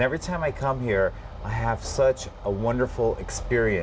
ทุกครั้งที่ฉันมาที่นี่ฉันมีความรู้สึกที่สุข